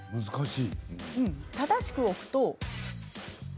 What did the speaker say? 正しく置くと。